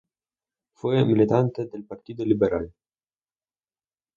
Fue militante del Partido Liberal.